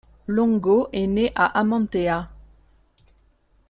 Longo est né à Amantea.